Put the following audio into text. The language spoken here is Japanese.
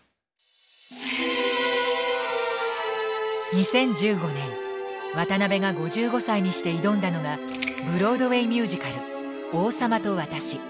２０１５年渡辺が５５歳にして挑んだのがブロードウェイミュージカル「王様と私」。